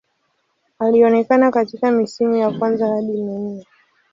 Alionekana katika misimu ya kwanza hadi minne.